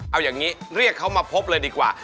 เอาอย่างนี้เรียกเขามาพบเลยดีกว่า